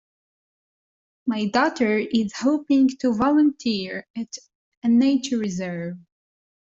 My daughter is hoping to volunteer at a nature reserve.